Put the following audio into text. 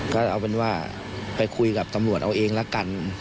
ก็เอาเป็นว่าไปคุยกับตำรวจเอาเองละกัน